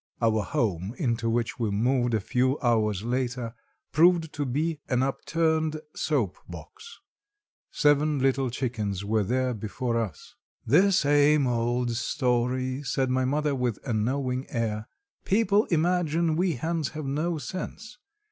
Our home, into which we moved a few hours later, proved to be an upturned soap box. Seven little chickens were there before us. "The same old story," said my mother with a knowing air. "People imagine we hens have no sense.